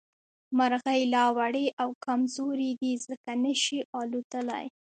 مرغۍ لا وړې او کمزورې دي ځکه نه شي اوتلې